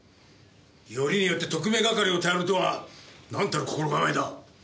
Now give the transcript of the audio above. よりによって特命係を頼るとは何たる心構えだ。